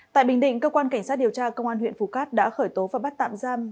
tại bình định cơ quan cảnh sát điều tra công an huyện phú cát đã khởi tố và bắt tạm giam